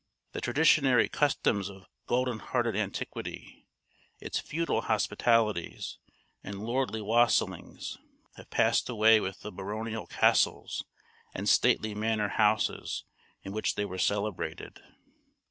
The traditionary customs of golden hearted antiquity, its feudal hospitalities, and lordly wassailings, have passed away with the baronial castles and stately manor houses in which they were celebrated.